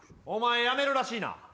お前やめるらしいな。